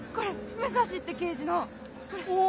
武蔵って刑事のこれ。